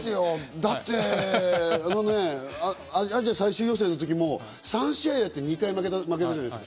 だってね、アジア最終予選の時も３試合やって２回負けたじゃないですか。